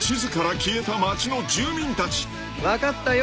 分かったよ